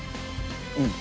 うん。